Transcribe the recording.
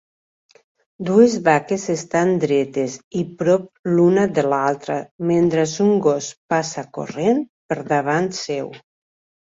Dues vaques estan dretes i prop l'una de l'altra mentre un gos passa corrent per davant seu.